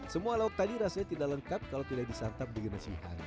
semua lauk tadi rasanya tidak lengkap kalau tidak disantap dengan nasi hangat